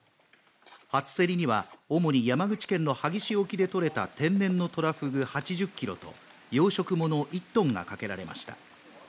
初競りには、主に山口県の萩市沖で獲れた天然のトラフグ８０キロと養殖物１トンがかけられました。